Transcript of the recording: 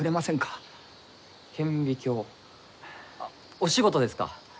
あっお仕事ですか？